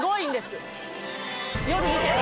夜見て。